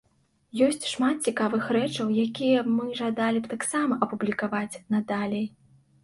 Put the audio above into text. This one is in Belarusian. Ёсць шмат цікавых рэчаў, якія мы жадалі б таксама апублікаваць надалей.